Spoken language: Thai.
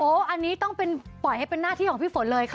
อันนี้ต้องเป็นปล่อยให้เป็นหน้าที่ของพี่ฝนเลยค่ะ